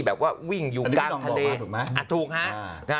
แบบว่าวิ่งอยู่กลางทะเลอันนี้น้องบอกมาถูกไหมอ่ะถูกฮะ